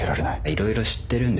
いろいろ知ってるんですよ。